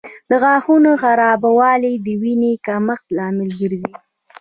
د غاښونو خرابوالی د وینې کمښت لامل ګرځي.